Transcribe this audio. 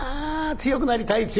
強くなりたい』。